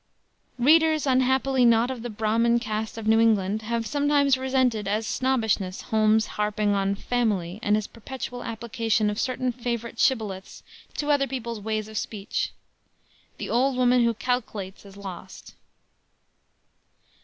Readers unhappily not of the "Brahmin caste of New England" have sometimes resented as snobbishness Holmes's harping on "family," and his perpetual application of certain favorite shibboleths to other people's ways of speech. "The woman who calc'lates is lost."